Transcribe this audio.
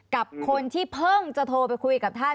กับคนที่เพิ่งจะโทรไปคุยกับท่าน